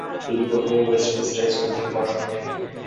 তিনি প্রথমে Westminster school থেকে পড়াশুনা করেন।